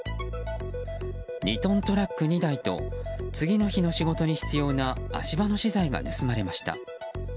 ２トントラック２台と次の日の仕事に必要な足場の資材が盗まれました。